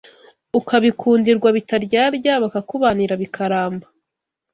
Ukabikundirwa bitaryarya Bakakubanira bikaramba